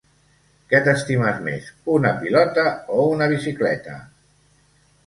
Què t'estimes més: una pilota o una bicicleta?